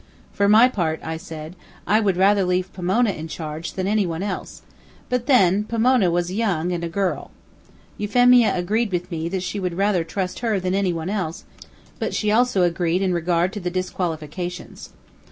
For my part, I said, I would rather leave Pomona in charge than any one else; but, then, Pomona was young and a girl. Euphemia agreed with me that she would rather trust her than any one else, but she also agreed in regard to the disqualifications.